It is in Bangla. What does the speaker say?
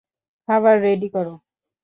খাবার রেডি করো।